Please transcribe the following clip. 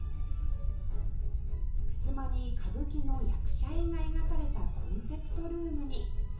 襖に歌舞伎の役者絵が描かれたコンセプトルームに